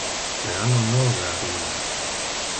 Le anno nove arriva.